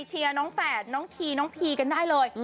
เชียร์น้องแฝดน้องทีน้องพีกันได้เลย